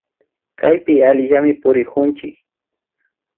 Kaypi allillami purikunchik